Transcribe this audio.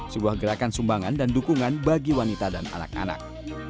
sebuah gerakan sumbangan dan dukungan bagi wanita dan anak anak